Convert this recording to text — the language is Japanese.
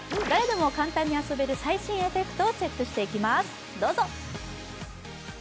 誰でも簡単に遊べる最新エフェクトをチェックしていきます。